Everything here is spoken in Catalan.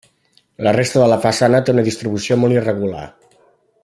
La resta de la façana té una distribució molt irregular.